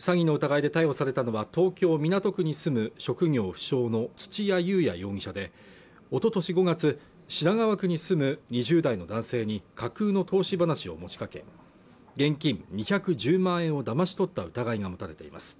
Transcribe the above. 詐欺の疑いで逮捕されたのは東京港区に住む職業不詳の土屋裕哉容疑者でおととし５月品川区に住む２０代の男性に架空の投資話を持ちかけ現金２１０万円をだまし取った疑いが持たれています